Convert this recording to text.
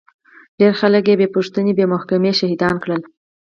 ډېر خلک يې بې پوښتنې بې محکمې شهيدان کړل.